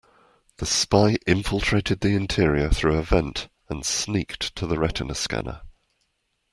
The spy infiltrated the interior through a vent and sneaked to the retina scanner.